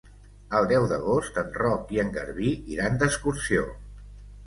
El deu d'agost en Roc i en Garbí iran d'excursió.